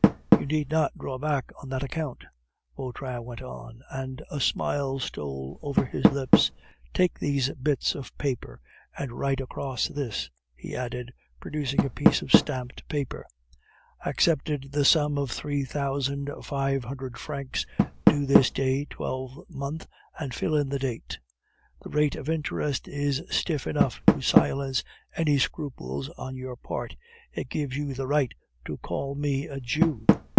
You need not draw back on that account," Vautrin went on, and a smile stole over his lips. "Take these bits of paper and write across this," he added, producing a piece of stamped paper, "Accepted the sum of three thousand five hundred francs due this day twelvemonth, and fill in the date. The rate of interest is stiff enough to silence any scruples on your part; it gives you the right to call me a Jew.